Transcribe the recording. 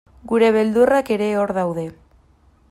Gure beldurrak ere hor daude.